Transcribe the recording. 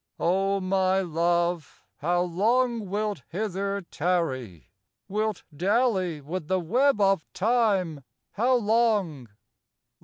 O my Love, how long wilt hither tarry, Wilt dally with the web of Time, how long?